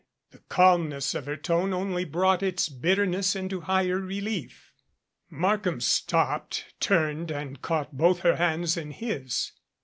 The calmness of her tone only brought its bitter ness into higher relief. Markham stopped, turned and caught both her hands in his.